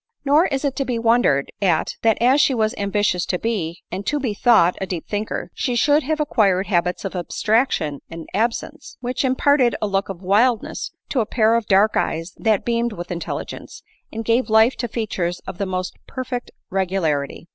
5 Nor is it to be wondered at, that as she was ambitious to be, and to be thought, a deep thinker, she should have acquired habits of abstraction and absence, which impart* ed a look of wildness to a pair of dark eyes that beamed with intelligence, and gave life to features of the most perfect regularity.